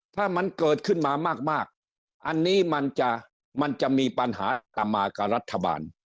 ถ้ามันเกิดขึ้นมามากอันนี้มันจะมันจะมีปัญหาตามมากับรัฐบาล